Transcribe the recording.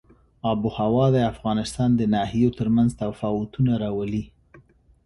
آب وهوا د افغانستان د ناحیو ترمنځ تفاوتونه راولي.